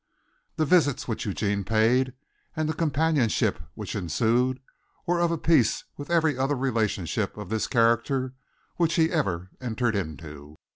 The visits which Eugene paid, and the companionship which ensued, were of a piece with every other relationship of this character which he ever entered into.